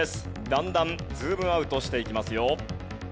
だんだんズームアウトしていきますよ。